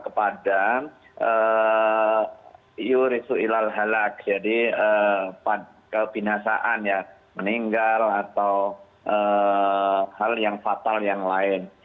kepada yurisu ilal halak jadi kebinasaan ya meninggal atau hal yang fatal yang lain